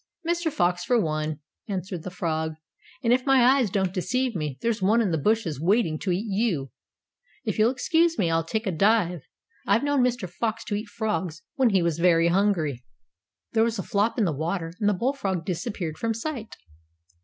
"Mr. Fox for one," answered the Frog, "and if my eyes don't deceive me there's one in the bushes waiting to eat you. If you'll excuse me, I'll take a dive. I've known Mr. Fox to eat frogs when he was very hungry." There was a flop in the water, and the bullfrog disappeared from sight.